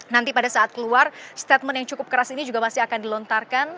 nanti pada saat keluar statement yang cukup keras ini juga masih akan dilontarkan